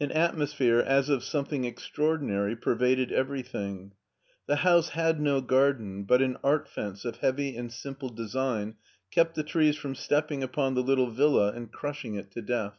^ atmosphere as of something extraordinary pervaded everything. The house had no garderi, but an artfence of he; avy and simple design fe^f the trees from stepping upon the little villa and crushing if to death.